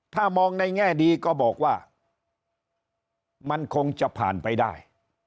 ถ้ามองในแง่ดีก็บอกว่ามันคงจะผ่านไปได้